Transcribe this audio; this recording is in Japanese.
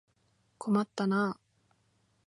困ったなあ。